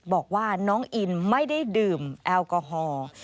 บอกว่าน้องอินไม่ได้ดื่มแอลกอฮอล์